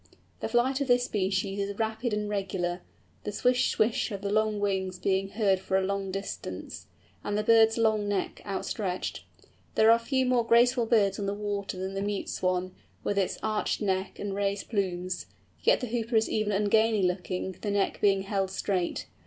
The flight of this species is rapid and regular, the swish swish of the long wings being heard for a long distance, and the bird's long neck outstretched. There are few more graceful birds on the water than the Mute Swan, with its arched neck and raised plumes, yet the Hooper is even ungainly looking, the neck being held straight.